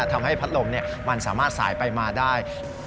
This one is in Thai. ทำให้พัดลมมันสามารถสายไปมาได้